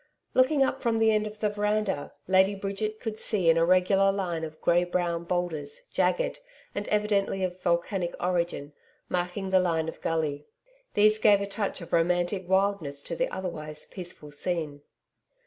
Looking up from the end of the veranda, Lady Bridget could see an irregular line of grey brown boulders, jagged and evidently of volcanic origin, marking the line of gully. These gave a touch of romantic wildness to the otherwise peaceful scene.